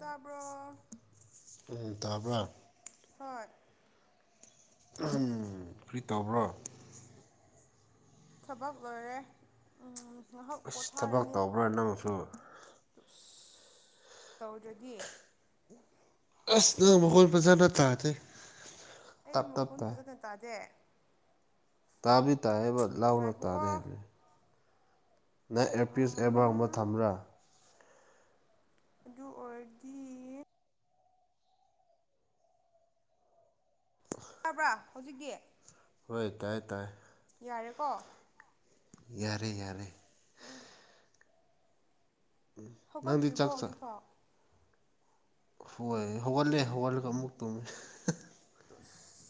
ꯇꯥꯕ꯭ꯔꯣ ꯎꯝ ꯇꯥꯕ꯭ꯔꯥ ꯍꯣꯏ ꯎꯝ ꯀꯔꯤ ꯇꯧꯕ꯭ꯔꯣ ꯊꯕꯛ ꯂꯣꯏꯔꯦ ꯉꯥꯏꯍꯥꯛ ꯑꯁ ꯊꯕꯛ ꯄꯣꯊꯥꯔꯅꯤ꯫ ꯇꯧꯕ꯭ꯔꯣ ꯅꯪꯁꯨ ꯑꯁ ꯇꯧꯗꯔꯗꯤ꯫ ꯑꯁ ꯅꯪ ꯃꯈꯣꯜ ꯐꯖꯥꯅ ꯇꯥꯗꯦ꯫ ꯑꯩ ꯇꯞ ꯇꯞ ꯃꯈꯣꯟ ꯇꯥꯏ ꯐꯖꯅ ꯇꯥꯗꯦ꯫ ꯇꯥꯕꯕꯤ ꯇꯥꯏꯌꯦꯕ ꯂꯥꯎꯅ ꯉꯥꯏꯈꯣꯀꯣ ꯇꯥꯗꯦꯍꯥꯏꯕꯅꯤ꯫ ꯅꯪ ꯑꯦꯄꯤꯁ ꯑꯦꯕꯥꯔꯕ ꯊꯝꯕ꯭ꯔꯥ ꯑꯗꯨ ꯑꯣꯏꯔꯗꯤ ꯇꯕ꯭ꯔꯥ ꯍꯧꯖꯤꯛꯇꯤ꯫ ꯍꯣꯏ ꯇꯥꯏ ꯇꯥꯏ ꯌꯥꯔꯦꯀꯣ ꯌꯥꯔꯦ ꯌꯥꯔꯦ꯫ ꯑꯥ ꯅꯪꯗꯤ ꯍꯧꯒꯠꯇ꯭ꯔꯤꯕꯣ ꯆꯥꯛ ꯆꯥ ꯍꯧꯖꯤꯛꯐꯥꯎ ꯍꯣꯏ ꯍꯧꯒꯠꯂꯦ ꯍꯧꯒꯠꯂꯒ ꯑꯃꯨꯛ ꯇꯨꯝꯃꯤ꯫ ꯇꯁ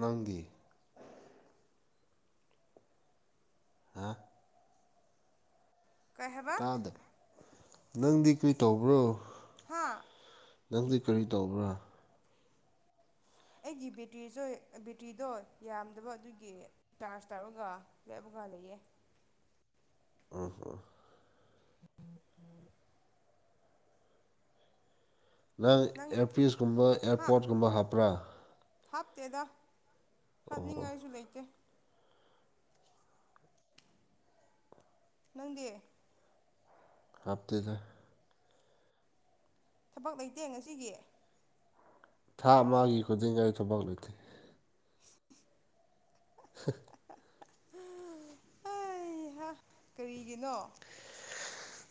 ꯅꯪꯗꯤ꯫ ꯍꯥ ꯀꯩ ꯍꯥꯏꯕ ꯇꯥꯗꯕ ꯅꯪꯗꯤ ꯀꯔꯤ ꯇꯧꯕ꯭ꯔꯣ? ꯍꯥ ꯅꯪꯗꯤ ꯀꯔꯤ ꯇꯧꯕ꯭ꯔꯥ ꯑꯩꯒꯤ ꯕꯦꯇ꯭ꯔꯤꯁꯨ ꯕꯦꯇ꯭ꯔꯤꯗꯣ ꯌꯥꯝꯗꯕ ꯑꯗꯨꯒꯤ ꯇꯥꯔꯖ ꯇꯧꯔꯒ ꯂꯦꯞꯄꯒ ꯂꯩꯌꯦ꯫ ꯑꯍꯣ ꯅꯪ ꯑꯦꯌꯥꯔꯄꯤꯤꯁꯀꯨꯝꯕ ꯑꯦꯌꯥꯔꯄꯣꯔꯠꯀꯨꯝꯕ ꯍꯥꯞꯄ꯭ꯔꯥ ꯍꯥꯞꯇꯦꯗ ꯑꯣ ꯍꯥꯞꯅꯤꯡꯉꯥꯏꯁꯨ ꯂꯩꯇꯦ꯫ ꯅꯪꯗꯤ ꯍꯥꯞꯇꯦꯗ ꯊꯕꯛ ꯂꯩꯇꯦ ꯉꯁꯤꯒꯤ꯫ ꯊꯥ ꯑꯃꯒꯤ ꯈꯨꯗꯤꯡꯒꯤ ꯑꯩ ꯊꯕꯛ ꯂꯩꯣꯏꯇꯦ꯫ [inaudible] ꯑꯩ ꯀꯔꯤꯒꯤꯅꯣ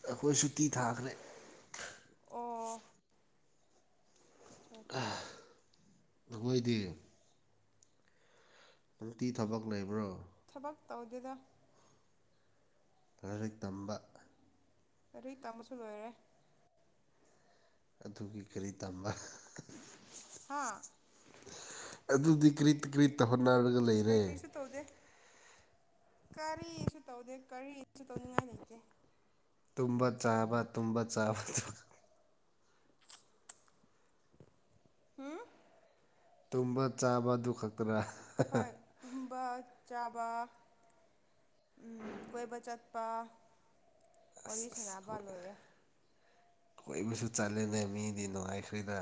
ꯑꯩꯈꯣꯏ ꯁꯨꯇꯤ ꯊꯥꯈ꯭ꯔꯦ꯫ ꯑꯣ ꯑꯆꯥ ꯑꯆꯥ ꯑꯩꯈꯣꯏꯗꯤ ꯅꯪꯗꯤ ꯊꯕꯛ ꯂꯩꯕ꯭ꯔꯣ꯫ ꯊꯕꯛ ꯇꯧꯗꯦꯗ ꯂꯥꯏꯔꯤꯛ ꯇꯝꯕ ꯂꯥꯏꯔꯦꯛ ꯇꯝꯕꯁꯨ ꯂꯣꯏꯔꯦ꯫ ꯑꯗꯨꯒꯤ ꯀꯔꯤ ꯇꯝꯕ ꯍꯥꯥ ꯑꯗꯨꯗꯤ ꯀ꯭ꯔꯤ ꯇ ꯀ꯭ꯔꯤ ꯇ ꯍꯣꯠꯅꯔꯒ ꯂꯩꯔꯦ꯫ ꯀꯔꯤꯁꯨ ꯇꯧꯗꯦ ꯀꯔꯤꯁꯨ ꯇꯧꯗꯦ ꯀꯔꯤꯁꯨ ꯇꯧꯅꯤꯡꯉꯥꯏ ꯂꯩꯇꯦ꯫ ꯇꯨꯝꯕ ꯆꯥꯕ ꯇꯨꯝꯕ ꯆꯥꯕꯁꯨ ꯍꯥꯝ ꯇꯨꯝꯕ ꯆꯥꯕ ꯑꯗꯨ ꯈꯛꯇꯔ ꯍꯣꯏ ꯇꯨꯝꯕ ꯆꯥꯕ ꯎꯝ ꯀꯣꯏꯕ ꯆꯠꯄ ꯋꯥꯔꯤ ꯑꯁ ꯑꯁ ꯁꯅꯕ ꯂꯣꯏꯔꯦ꯫ ꯀꯣꯏꯕꯁꯨ ꯆꯠꯂꯦꯅꯦ ꯃꯤꯗꯤ ꯅꯨꯡꯉꯥꯏꯈꯔꯦꯅ꯫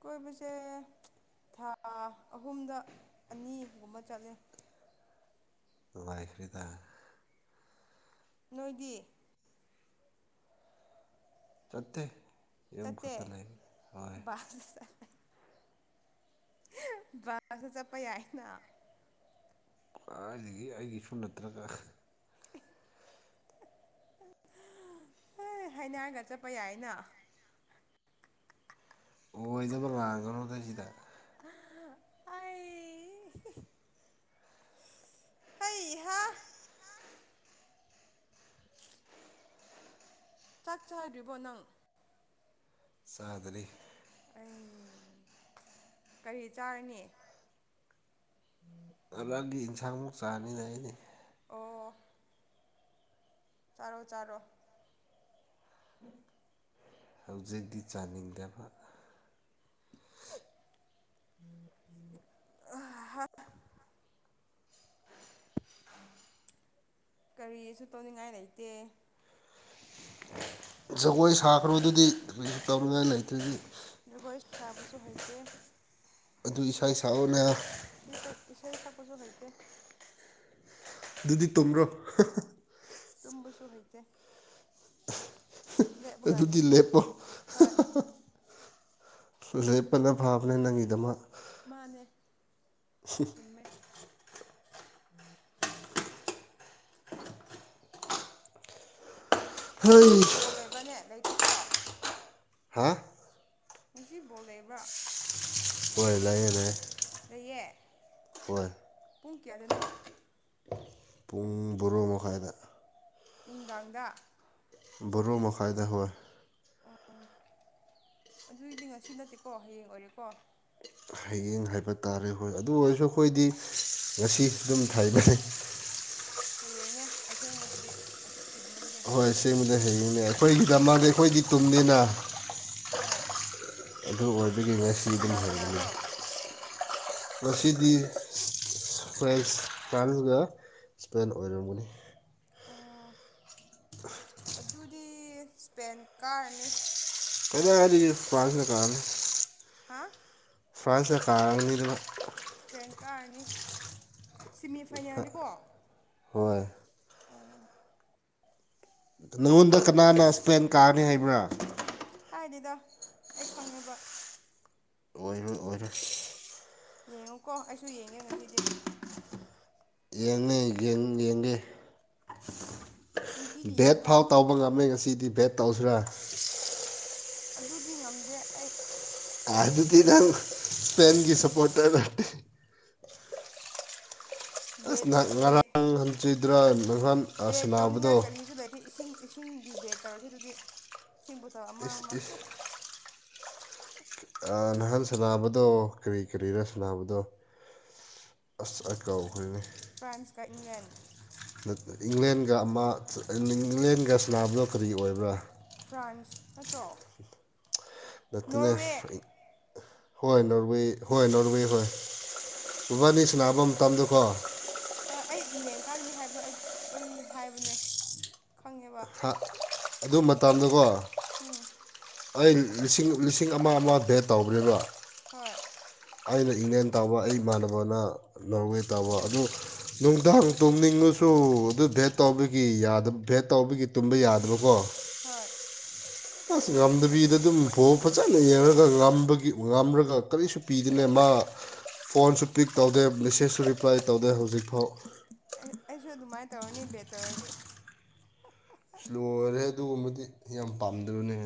ꯀꯣꯏꯕꯁꯦ ꯊꯥ ꯑꯍꯨꯝꯗ ꯑꯅꯤꯒꯨꯝꯕ ꯆꯠꯂꯦ꯫ ꯅꯨꯉꯥꯏꯈꯔꯦꯗ꯫ ꯅꯣꯏꯗꯤ꯫ ꯆꯠꯇꯦ꯫ ꯌꯨꯝ ꯆꯥꯠꯇꯦ ꯈꯛꯇ ꯂꯩ ꯍꯣꯏ ꯕꯁ꯫ ꯕꯁꯇ ꯆꯠꯄ ꯌꯥꯏꯅ꯫ ꯈꯋꯥꯗꯒꯤ ꯑꯩꯒꯤꯁꯨ ꯅꯠꯇ꯭ꯔꯒ꯫ [inaudible] ꯍꯩ ꯍꯥꯏꯅꯔꯒ ꯆꯠꯄ ꯌꯥꯏꯅ꯫ ꯑꯣꯏꯗꯕ ꯂꯥꯡꯒꯅꯣꯗꯩꯁꯤꯗ꯫ ꯑꯩ [unintelligible] [unintelligible] ꯍꯩꯍꯥ꯫ [inaudible] ꯆꯥꯛ ꯆꯥꯗ꯭ꯔꯤꯕꯣ ꯅꯪ꯫ ꯆꯥꯗꯔꯤ꯫ ꯑꯩ ꯀꯔꯤ ꯆꯥꯔꯅꯤ꯫ ꯎꯝ꯫ ꯉꯔꯡꯒꯤ ꯌꯦꯟꯁꯥꯡꯃꯨꯛ ꯆꯥꯔꯅꯤꯗ ꯑꯩꯗꯤ꯫ ꯑꯣ꯫ ꯆꯥꯔꯣ ꯆꯥꯔꯣꯑꯣ꯫ ꯍꯧꯖꯤꯛꯇꯤ ꯆꯥꯅꯤꯡꯗꯕ꯫ ꯑ ꯍꯥ꯫ ꯀꯔꯤꯁꯨ ꯇꯧꯅꯤꯡꯉꯥꯏ ꯂꯩꯇꯦ꯫ ꯖꯒꯣꯏ ꯁꯥꯈ꯭ꯔꯗꯨꯗꯤ ꯇꯧꯔꯤꯉꯥꯏ ꯂꯩꯇꯗꯤ꯫ ꯖꯒꯣꯏ ꯁꯥꯕꯁꯨ ꯍꯩꯇꯦ꯫ ꯑꯗꯨ ꯏꯁꯩ ꯁꯛꯂꯣꯅꯦ꯫ ꯁꯤ ꯏꯁꯩ ꯏꯁꯩ ꯁꯛꯄꯁꯨ ꯍꯩꯇꯦ꯫ ꯑꯗꯨꯗꯤ ꯇꯨꯝꯕ꯭ꯔꯣ꯫ ꯇꯕꯁꯨ ꯍꯩꯇ ꯑꯗꯨꯗꯤ ꯂꯦꯕꯒꯥꯗꯩꯇꯦ ꯂꯦꯞꯄꯣ ꯍꯣꯏ꯫ ꯂꯦꯄꯅ ꯐꯥꯕꯅꯦ ꯅꯪꯒꯤꯗꯃꯛ꯫ ꯃꯥꯅꯦ ꯆꯨꯝꯃꯦ꯫ ꯍꯩ ꯉꯁꯤ ꯕꯣꯜ ꯂꯩꯕ꯭ꯔꯅꯦ ꯂꯩꯇꯦꯀꯣ꯫ ꯍꯥ꯫ ꯉꯁꯤ ꯕꯣꯜ ꯂꯩꯕ꯭ꯔꯥ꯫ ꯑꯣꯏ ꯂꯩꯑꯦ ꯂꯩꯑꯦ꯫ ꯂꯩꯌꯦ꯫ ꯍꯣꯏ꯫ ꯄꯨꯡ ꯀꯌꯥꯗꯅꯣ꯫ ꯄꯨꯡ ꯕꯣꯔꯣ ꯃꯈꯥꯏꯗ꯫ ꯅꯨꯡꯗꯥꯡꯗ꯫ ꯕꯔꯣꯃꯥꯈꯥꯏꯗ ꯍꯣꯢ꯫ ꯑꯣ ꯑꯗꯨꯏꯗꯤ ꯉꯁꯤ ꯅꯠꯇꯦꯀꯣ ꯍꯌꯦꯡ ꯑꯣꯏꯔꯦꯀꯣ꯫ ꯍꯌꯦꯡ ꯍꯥꯏꯕ ꯇꯥꯔꯦ ꯍꯣꯏ ꯑꯗꯨ ꯑꯣꯏꯔꯁꯨ ꯑꯩꯈꯣꯏꯗꯤ ꯉꯁꯤ ꯑꯗꯨꯝ ꯊꯥꯏꯅꯩ꯫ ꯍꯌꯦꯡꯅꯦ ꯑꯁꯦꯡꯕꯗꯤ꯫ ꯍꯣꯏ ꯑꯁꯦꯡꯕꯗꯤ ꯍꯌꯦꯡꯅꯦ ꯑꯩꯈꯣꯏꯒꯤ ꯗꯃꯥꯡꯗꯤ ꯑꯩꯈꯣꯏ ꯇꯨꯝꯗꯦꯅ꯫ ꯍꯣꯏ꯫ ꯑꯗꯨ ꯑꯣꯏꯕꯒꯤ ꯑꯣꯏ ꯉꯁꯤꯑꯗꯨꯝ ꯀꯅꯥ ꯑꯣꯏꯕꯅꯤ꯫ ꯀꯅꯥꯅꯣ ꯉꯁꯤꯗꯤ ꯐ꯭ꯔꯥꯟꯁ ꯀꯅꯤꯗ꯫ ꯏꯁꯄꯦꯟ ꯑꯣꯏꯔꯝꯒꯅꯤ꯫ ꯑꯣ ꯑꯗꯨꯗꯤ ꯏꯁꯄꯦꯟ ꯀꯥꯔꯅꯤ꯫ ꯀꯩꯅ ꯍꯥꯏꯗꯤ ꯐꯔꯥꯟꯁꯅ ꯀꯥꯒꯅꯤ꯫ ꯍꯥꯥ ꯐ꯭ꯔꯥꯟꯁꯅ ꯀꯥꯥꯔꯅꯤꯗꯣ꯫ ꯁꯄꯦꯟ ꯀꯥꯔꯅꯤ ꯁꯤꯃꯤ ꯐꯥꯏꯅꯦꯜꯅꯤꯀꯣ꯫ ꯍꯣꯏ ꯅꯪꯉꯣꯟꯗ ꯀꯅꯥꯅ ꯏꯁꯄ꯭ꯂꯦꯟ ꯀꯥꯔꯅꯤ ꯍꯥꯏꯕ꯭ꯔꯥ ꯍꯥꯏꯗꯦꯗ ꯑꯩ ꯈꯪꯉꯦꯕ꯫ ꯑꯣꯏ ꯑꯣꯏ ꯌꯦꯡꯉꯨꯀꯣ ꯑꯩꯁꯨ ꯌꯦꯡꯒꯦ ꯉꯁꯤꯗꯤ ꯌꯦꯡꯅꯤ ꯌꯦ ꯅꯨꯡꯇꯤꯒꯤ ꯚꯦꯠ ꯌꯦꯡꯕ꯭ꯔꯥ ꯐꯥꯎ ꯇꯧꯕ ꯉꯝꯃꯦ ꯉꯁꯤꯗꯤ ꯚꯦꯠ ꯇꯧꯁꯤꯔꯥ ꯑꯗꯨꯗꯤ ꯉꯝꯗꯦ ꯑꯩ꯫ ꯑ ꯑꯗꯨꯗꯤ ꯅꯪ ꯏꯁꯄꯦꯟꯒꯤ ꯁꯄꯣꯇꯔ ꯅꯠꯇꯦ ꯑꯁ ꯕꯦꯠ ꯅꯍꯥꯟ ꯕꯦꯠ ꯉꯔꯥꯡ ꯍꯟꯆꯤꯠꯇ꯭ꯔꯥ ꯅꯍꯥꯟ ꯕꯦꯠ ꯇꯧꯅꯤꯡꯉꯥꯏ ꯁꯥꯟꯅꯕꯗꯣ ꯀꯔꯤꯁꯨ ꯂꯩꯇꯦ ꯏꯁꯤꯡ ꯏꯁꯤꯡꯒꯤ ꯕꯦꯠ ꯇꯧꯔꯁꯤ ꯑꯗꯨꯗꯤ ꯏꯁꯤꯡ ꯕꯨꯇꯜ ꯑꯃ ꯏꯁ ꯑꯃ ꯑ ꯅꯍꯥꯟ ꯁꯥꯟꯅꯕꯗꯣ ꯀꯔꯤ ꯀꯔꯤꯔ ꯁꯥꯟꯅꯕꯗꯣ ꯑꯁ ꯑꯀꯥꯎꯈꯣꯏꯅꯦ ꯐ꯭ꯔꯥꯟꯁꯀ ꯏꯪꯂꯦꯟ ꯏꯪꯂꯦꯟꯒ ꯑꯃ ꯏꯪꯂꯦꯟꯒ ꯁꯥꯟꯅꯕꯗꯣ ꯀꯔꯤ ꯑꯣꯏꯕ꯭ꯔꯥ ꯐ꯭ꯔꯥꯟꯁ ꯅꯠꯇ꯭ꯔꯣ꯫ ꯅꯇꯅ ꯅꯣꯔꯋꯦ ꯍꯣꯏ ꯅꯣꯔꯋꯦ ꯍꯣꯏ ꯅꯣꯔꯋꯦ ꯍꯣꯏ ꯎꯕꯥꯅꯤ ꯁꯟꯅꯕ ꯃꯇꯝꯗꯀꯣ ꯍꯣꯏ ꯑꯩ ꯏꯪꯂꯦꯟꯀꯒꯅꯤ ꯍꯥꯏꯕ ꯑꯩꯗ ꯑꯩ ꯍꯥꯏꯕꯅꯦ ꯈꯪꯉꯦꯕ ꯍꯥ ꯑꯗꯨ ꯃꯇꯝꯗꯀꯣ ꯎꯨꯝ ꯑꯩ ꯂꯤꯁꯤꯡ ꯂꯤꯁꯤꯡ ꯑꯃ ꯑꯃ ꯕꯦꯠ ꯇꯧꯕꯅꯦꯕ ꯍꯣꯏ ꯑꯩꯅ ꯏꯪꯂꯦꯟ ꯇꯧꯕ ꯑꯩ ꯏꯃꯥꯟꯅꯕꯅ ꯅꯣꯔꯋꯦ ꯇꯧꯕ ꯑꯗꯨ ꯅꯨꯡꯗꯥꯡ ꯇꯨꯝꯅꯤꯡꯉꯁꯨ ꯑꯗꯨ ꯗꯦꯠ ꯇꯧꯕꯒꯤ ꯌꯥꯗꯞ ꯚꯦꯠ ꯇꯧꯕꯒꯤ ꯇꯨꯝꯕ ꯌꯥꯗꯕꯀꫭ ꯍꯣꯏ ꯑꯁ ꯉꯝꯗꯕꯤꯗ ꯑꯗꯨꯝ ꯄꯣꯑꯣ ꯐꯖꯅ ꯌꯦꯡꯔꯒ ꯉꯝꯕꯒꯤ ꯉꯥꯝꯔꯒ ꯀꯔꯤꯁꯨ ꯄꯤꯗꯨꯅꯦ ꯃꯥ ꯐꯣꯟꯁꯨ ꯄꯤꯛ ꯇꯧꯗꯦ ꯃꯦꯁꯦꯖꯁꯨ ꯔꯤꯄ꯭ꯂꯥꯏ ꯇꯧꯗꯦ ꯍꯧꯖꯤꯛꯐꯥꯎ ꯑꯩꯁꯨ ꯑꯗꯨꯃꯥꯏꯅ ꯇꯧꯔꯅꯤ ꯕꯦꯠ ꯇꯧꯔꯗꯤ꯫ ꯏꯁ ꯂꯣꯏꯔꯦ ꯑꯗꯨꯒꯨꯝꯕꯗꯤ ꯌꯥꯝ ꯄꯥꯝꯗꯕꯅꯦ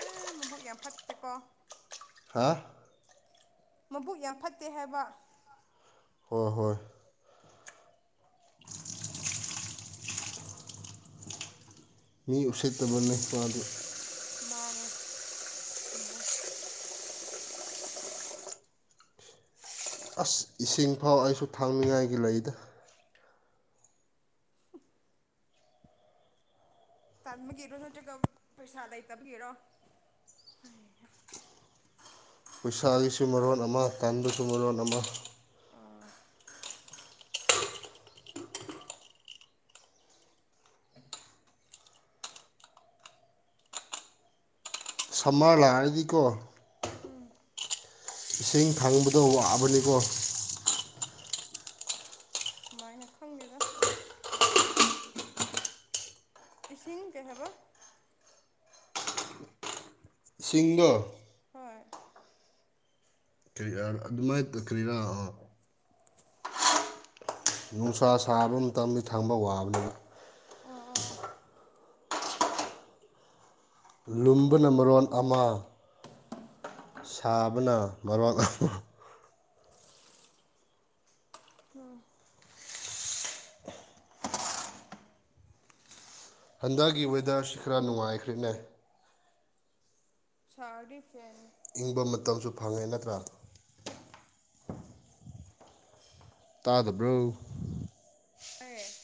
ꯑ ꯃꯕꯨꯛ ꯌꯥꯝ ꯐꯠꯇꯦꯀꫭ ꯍꯥꯥ ꯃꯕꯨꯛ ꯌꯥꯝ ꯐꯠꯇꯦ ꯍꯥꯏꯕ ꯍꯣꯏ ꯍꯣꯏ [unintelligible] ꯃꯤ ꯎꯁꯤꯠꯇꯕ ꯅꯄꯥꯗ ꯃꯥꯅꯦ ꯆꯨꯝꯃꯦ ꯑꯁ ꯏꯁꯤꯡ ꯐꯥꯎ ꯑꯩꯁꯨ ꯊꯥꯛꯅꯤꯉꯥꯏꯒꯤ ꯂꯩꯗ ꯇꯟꯕꯒꯤꯔꯣ ꯅꯠꯇ꯭ꯔꯒ ꯄꯩꯁꯥ ꯂꯩꯇꯕꯒꯤꯔꯣ ꯈꯨꯁꯥꯒꯤꯁꯨ ꯃꯔꯣꯟ ꯑꯃ ꯇꯟꯕꯩꯁꯨ ꯃꯔꯣꯟ ꯑꯃ ꯑꯥ [unintelligible] [inaudible] [unintelligible] ꯁꯝꯃꯔ ꯂꯥꯛꯑꯗꯤꯀꯣ ꯎꯝ ꯏꯁꯤꯡ ꯈꯪꯕꯗꯣ ꯋꯥꯑꯕꯅꯤꯀꯣ ꯁꯨꯃꯥꯏꯅ ꯈꯪꯒꯦꯗ ꯏꯁꯤꯡ ꯀꯩ ꯍꯥꯏꯕ꯫ ꯏꯁꯤꯡꯗꯣ ꯍꯣꯏ [unintelligible] ꯑꯗꯨꯃꯥꯏꯅ ꯀꯔꯤꯔꯥ ꯑꯣ ꯅꯨꯡꯁꯥ ꯁꯥꯕ ꯃꯇꯝꯕꯤ ꯊꯪꯕ ꯋꯥꯕꯅꯦꯕ ꯑꯣ ꯑꯣ ꯑꯣ ꯂꯨꯝꯕꯅ ꯃꯔꯣꯟ ꯑꯃ ꯁꯥꯕꯅ ꯃꯔꯣꯜ ꯑꯃꯥ [unintelligible] ꯎꯝ ꯍꯟꯗꯛꯒꯤ ꯋꯦꯗꯔꯁꯤ ꯈꯔ ꯅꯨꯡꯉꯥꯏꯈ꯭ꯔꯦꯅꯦ ꯁꯥꯔꯗꯤ ꯐꯦꯟ ꯏꯪꯕ ꯃꯇꯝꯁꯨ ꯐꯪꯉꯦ ꯅꯠꯇ꯭ꯔꯥ ꯇꯥꯗꯕ꯭ꯔꯣ [unintelligible]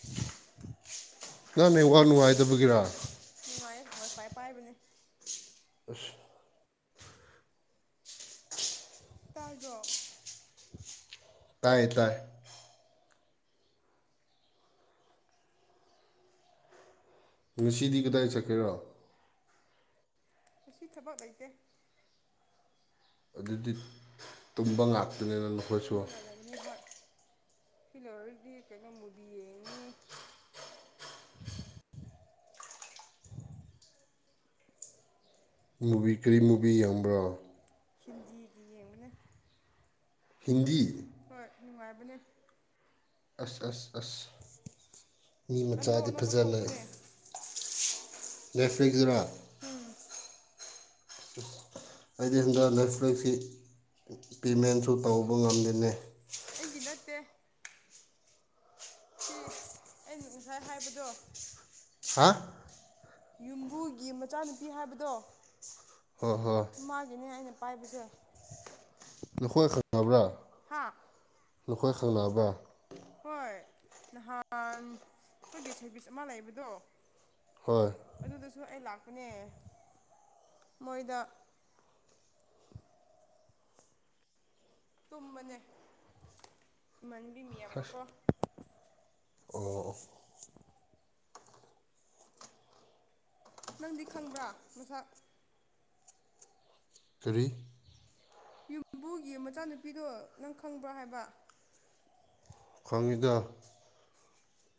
ꯅꯪ ꯅꯦꯋꯥꯥꯛ ꯅꯨꯡꯉꯥꯏꯇꯕꯒꯤꯔ ꯅꯨꯡꯉꯥꯏꯌꯦ ꯋꯥꯏꯐꯥꯏ ꯄꯥꯏꯕꯅꯦ ꯑꯁ ꯇꯥꯗ꯭ꯔꯣ ꯇꯥꯏꯌꯦ ꯇꯥꯥꯏ ꯉꯁꯤꯗꯤ ꯀꯗꯥꯏ ꯆꯠꯀꯦꯔꯣ ꯉꯁꯤ ꯊꯕꯛ ꯂꯩꯇꯦ ꯑꯗꯨꯗꯤ ꯇꯨꯝꯕ ꯉꯥꯛꯇꯅꯤꯅ ꯅꯈꯣꯏꯁꯨ ꯇꯨꯝꯃꯥꯒ ꯂꯩꯔꯦ ꯍꯣꯏ ꯁꯤꯂꯣꯏꯔꯗꯤ ꯀꯩꯅꯣ ꯃꯨꯚꯤ ꯌꯦꯡꯅꯤ ꯃꯨꯚꯤ ꯀꯔꯤ ꯃꯨꯚꯤ ꯌꯦꯡꯕ꯭ꯔꯥ ꯍꯤꯟꯗꯤꯒꯤ ꯌꯦꯡꯕꯅꯦ ꯍꯤꯟꯗꯤ ꯍꯣꯏ ꯅꯨꯡꯉꯥꯏꯕꯅꯦ ꯑꯁ ꯑꯁ ꯑꯁ ꯃꯤ ꯑꯅꯧ ꯃꯆꯥꯗꯤ ꯑꯅꯧꯕ ꯐꯖꯅ ꯊꯣꯛꯄꯅꯦ [unintelligible] ꯔꯦꯐꯔꯤꯒꯔ ꯎꯝ ꯑꯩꯗꯤ ꯍꯟꯗꯡ [unintelligible] ꯄꯦꯃꯦꯟꯁꯨ ꯇꯧꯕ ꯉꯝꯗꯦꯅꯦ ꯑꯩꯒꯤ ꯅꯠꯇꯦ ꯁꯤ ꯑꯩꯅ ꯉꯁꯥꯏ ꯍꯥꯏꯕꯗꯣ ꯍꯥ ꯌꯨꯝꯕꯨꯒꯤ ꯃꯆꯥꯅꯨꯄꯤ ꯍꯥꯏꯕꯗꯣ ꯍꯣ ꯍꯣꯏ ꯃꯥꯒꯤꯅꯦ ꯑꯩꯅ ꯄꯥꯏꯕꯁꯦ ꯅꯈꯣꯏ ꯈꯪꯅꯕ꯭ꯔꯥ ꯍꯥ ꯅꯈꯣꯏ ꯈꯪꯅꯕ꯭ꯔꯥ ꯍꯣꯏ ꯅꯍꯥꯟ ꯑꯩꯈꯣꯏꯒꯤ ꯁꯔꯚꯤꯁ ꯑꯃ ꯂꯩꯕꯗꯣ ꯍꯣꯏ ꯑꯗꯨꯗꯁꯨ ꯑꯩ ꯂꯥꯛꯄꯅꯦ ꯃꯣꯏꯗ ꯇꯨꯝꯕꯅꯦ ꯏꯃꯥꯟꯅꯕꯤ ꯃꯤꯌꯥꯝꯒꯀꯣ ꯑꯣ ꯅꯪꯗꯤ ꯈꯪꯕ꯭ꯔꯥ ꯃꯁꯛ ꯀꯔꯤ ꯌꯨꯝꯕꯨꯒꯤ ꯃꯆꯥꯅꯨꯄꯤꯗꯣ ꯅꯪ ꯈꯪꯕ꯭ꯔꯥ ꯍꯥꯏꯕ ꯈꯪꯉꯤꯗ [inaudible]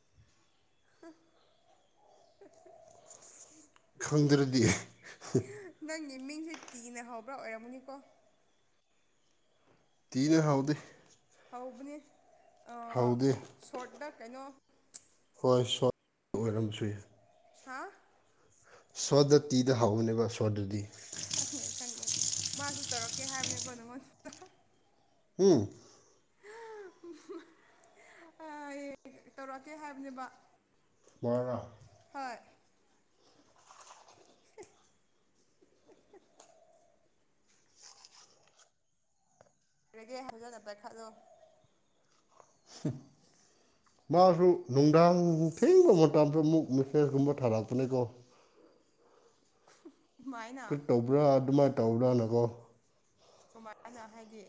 [unintelligible] ꯈꯪꯗ꯭ꯔꯗꯤ ꯅꯪꯒꯤ ꯃꯤꯡꯁꯦ ꯇꯤꯅ ꯍꯧꯕ꯭ꯔꯥ ꯑꯣꯏꯔꯝꯅꯤꯀꯣ ꯇꯤꯅ ꯍꯧꯗꯦ ꯍꯥꯎꯕꯅꯦ ꯍꯥꯎꯗꯦ ꯁꯣꯔꯠꯗ ꯀꯩꯅꯣ ꯍꯣꯏ ꯁꯣꯔꯠ ꯑꯣꯏꯔꯝꯕꯁꯨ ꯌꯥꯏ ꯍꯥ ꯁꯣꯗ ꯇꯤꯗ ꯍꯥꯎꯋꯅꯦꯕ ꯁꯣꯗꯗꯤ [unintelligible] ꯈꯪꯉꯦ ꯈꯪꯉꯦ ꯃꯥꯁꯨ ꯇꯧꯔꯛꯀꯦ ꯍꯥꯏꯕꯅꯦꯀꯣ ꯅꯪꯉꯣꯟ ꯍꯨꯝ ꯇꯧꯔꯛꯀꯦ ꯍꯥꯏꯕꯅꯦꯕ ꯋꯥꯔ [unintelligible] ꯍꯣꯏ ꯍꯛ [unintelligible] ꯑꯣꯏꯔꯒꯦ [unintelligible] ꯍꯜꯂꯒ ꯄꯥꯏꯈꯠꯂꯨ ꯍ [unintelligible] [inaudible] ꯃꯥꯁꯨ ꯅꯨꯡꯗꯥꯡ ꯊꯦꯡꯕ ꯃꯇꯝꯗ ꯑꯃꯨꯛ ꯃꯦꯁꯀꯨꯝꯕ ꯊꯥꯔꯛꯄꯅꯦꯀꯣ ꯀꯃꯥꯏꯅ ꯀꯠ ꯇꯧꯕ꯭ꯔꯥ ꯑꯗꯨꯃꯥꯏꯅ ꯇꯧꯕ꯭ꯔꯥꯅꯀꯣ꯫ ꯀꯃꯥꯏꯅ ꯍꯥꯏꯗꯤ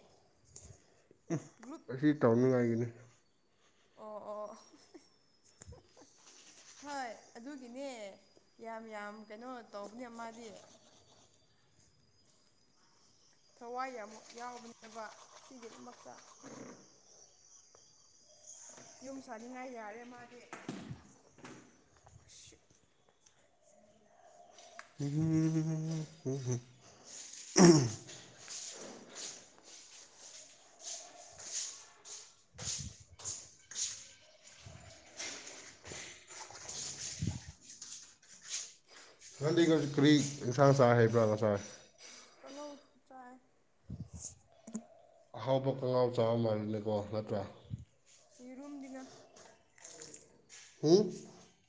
[unintelligible] ꯒꯔ꯭ꯨꯞ ꯑꯁꯤ ꯇꯧꯅꯤꯡꯉꯥꯏꯒꯤꯅꯤ ꯑꯣ ꯑꯣ ꯍꯣꯏ ꯑꯗꯨꯒꯤꯅꯦ ꯌꯥꯝ ꯌꯥꯝ ꯀꯩꯅꯣ ꯇꯧꯕꯅꯦ ꯃꯥꯗꯤ ꯊꯋꯥꯏ ꯌꯥꯝꯃꯨꯛ ꯌꯥꯎꯕꯅꯦꯕ ꯁꯤꯒꯤꯗꯃꯛꯇ ꯌꯨꯝ ꯁꯥꯅꯤꯡꯉꯥꯏ ꯌꯥꯔꯦ ꯃꯥꯗꯤ꯫ [unintelligible] [inaudible] [unintelligible] ꯅꯪꯗꯤ ꯀꯔꯤ ꯏꯟꯁꯥꯡ ꯆꯥꯏ ꯍꯥꯏꯦꯕ꯭ꯔꯥ ꯉꯁꯥꯏ ꯀꯡꯍꯧ ꯆꯥꯏ ꯑꯍꯥꯎꯕ ꯀꯡꯍꯧ ꯆꯥꯕ ꯃꯥꯜꯅꯤꯀꯣ ꯅꯠꯇ꯭ꯔꯥ ꯌꯦꯔꯨꯝꯗꯤꯅ ꯍꯨꯝ